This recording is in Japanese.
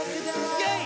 イェイ！